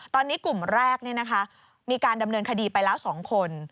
ตอนนี้กลุ่มแรกมีการดำเนินคดีไปแล้ว๒คน